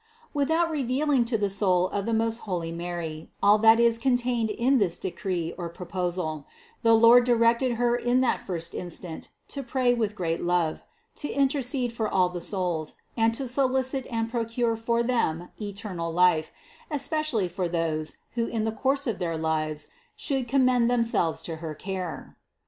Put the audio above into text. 272. Without revealing to the soul of the most holy Mary all that is contained in this decree or proposal, the Lord directed Her in that first instant to pray with great love, to intercede for all the souls, and to solicit and procure for them eternal life, especially for those, who in the course of their lives should commend themselves to her care.